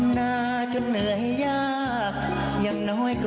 ก่อนที่จะก่อเหตุนี้นะฮะไปดูนะฮะสิ่งที่เขาได้ทิ้งเอาไว้นะครับ